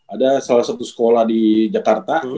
ada salah satu sekolah di jakarta